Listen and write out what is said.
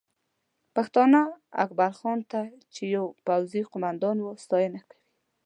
پښتانه اکبرخان ته چې یو پوځي قومندان و، ستاینه کوي